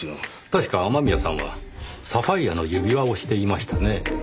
確か雨宮さんはサファイアの指輪をしていましたねぇ。